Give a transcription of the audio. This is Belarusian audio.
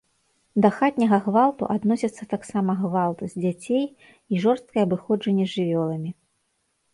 Да хатняга гвалту адносяцца таксама гвалт з дзяцей і жорсткае абыходжанне з жывёламі.